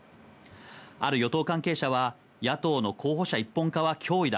ある与党関係者は野党の候補者一本化は脅威だ。